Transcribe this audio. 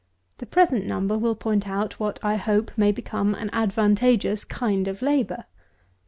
The present Number will point out what I hope may become an advantageous kind of labour.